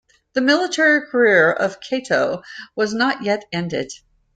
The military career of Cato was not yet ended.